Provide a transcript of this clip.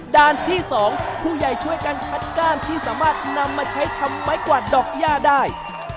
ด้านที่๒ผู้ใหญ่ช่วยกันคัดก้านที่สามารถนำมาใช้ทำไม้กวาดดอกย่าได้